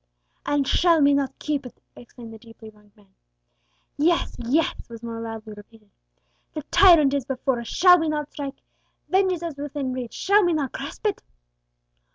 "And shall we not keep it?" exclaimed the deeply wronged man. "Yes, yes!" was more loudly repeated. "The tyrant is before us, shall we not strike! Vengeance is within reach, shall we not grasp it!"